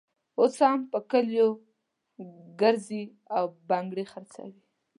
اوس هم په کلیو ګرزي او بنګړي خرڅوي.